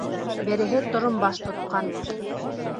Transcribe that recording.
Береһе торомбаш тотҡан.